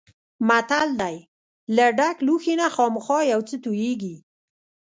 متل دی: له ډک لوښي نه خامخا یو څه تویېږي.